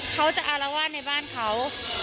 เขาจะอารวาสในบ้านเขา